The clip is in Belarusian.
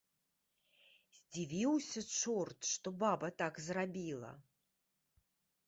Здзівіўся чорт, што баба так зрабіла.